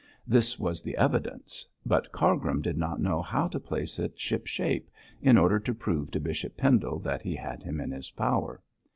This was the evidence, but Cargrim did not know how to place it ship shape, in order to prove to Bishop Pendle that he had him in his power.